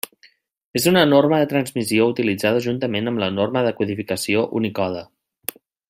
És una norma de transmissió utilitzada juntament amb la norma de codificació Unicode.